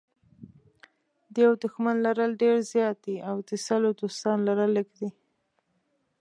د یوه دښمن لرل ډېر زیات دي او د سلو دوستانو لرل لږ دي.